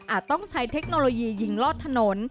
ต้องใช้เทคโนโลยียิงลอดถนน